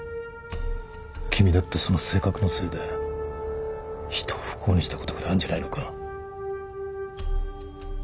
君だってその性格のせいで人を不幸にしたことぐらいあるんじゃないのか？